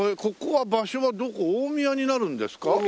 ここは場所はどこ大宮になるんですか？